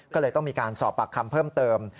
ก็เลยต้องมีการสอบปากคำเพิ่มเติม